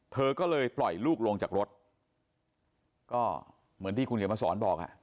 เธอก็เลยปล่อยลูกลงจากรถก็เหมือนที่คุณเขียนมาสอนบอกอ่ะ